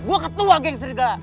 gue ketua geng sergala